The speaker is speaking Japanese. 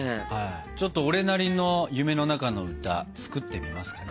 ちょっと俺なりの「夢の中の歌」作ってみますかね。